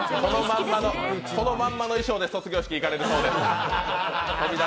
そのまんまの衣装で卒業式行かれるそうです。